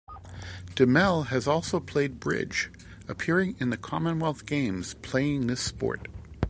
De Mel has also played bridge, appearing in the Commonwealth Games playing this sport.